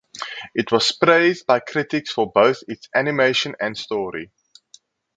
It was praised by critics for both its animation and story.